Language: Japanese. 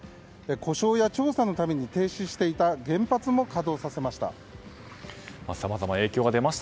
故障や調査のために停止していた原発も稼働させました。